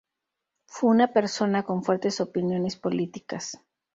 Fue una persona con fuertes opiniones políticas.